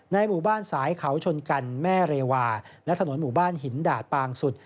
หมู่บ้านสายเขาชนกันแม่เรวาและถนนหมู่บ้านหินดาดปางสุด